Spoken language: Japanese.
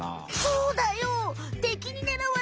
そうだよ。